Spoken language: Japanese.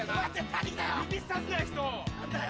何だよ？